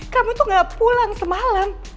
kamu tuh gak pulang semalam